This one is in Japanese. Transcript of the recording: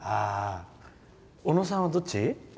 小野さんは、どっち？